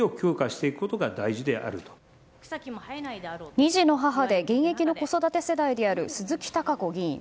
２児の母で現役の子育て世代である鈴木貴子議員。